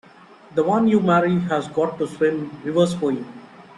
The one you marry has got to swim rivers for you!